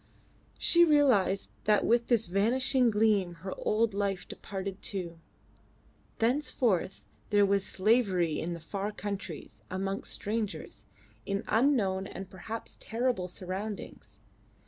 She realised that with this vanishing gleam her old life departed too. Thenceforth there was slavery in the far countries, amongst strangers, in unknown and perhaps terrible surroundings.